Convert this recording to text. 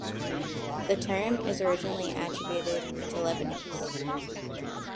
The term is originally attributed to Leibniz.